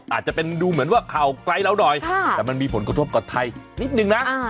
อาจจะเป็นดูเหมือนว่าข่าวไกลเราหน่อยแต่มันมีผลกระทบกับไทยนิดนึงนะ